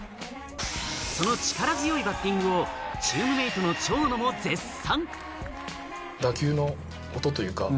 その力強いバッティングをチームメートの長野も絶賛。